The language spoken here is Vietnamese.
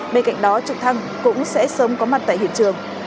bên cạnh đó trực thăng cũng sẽ sớm có mặt tại hiện trường